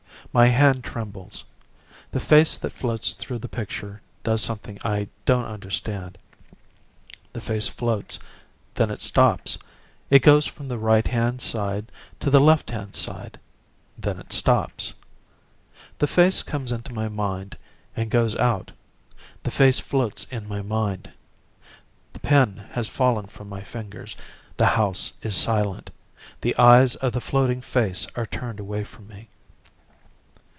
My hand trembles. The face that floats through the picture does something I don't understand. The face floats, then it stops. It goes from the right hand side to the left hand side, then it stops. The face comes into my mind and goes out the face floats in my mind. The pen has fallen from my fingers. The house is silent. The eyes of the floating face are turned away from me.